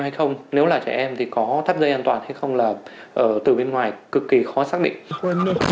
hay không nếu là trẻ em thì có thắt dây an toàn hay không là từ bên ngoài cực kỳ khó xác định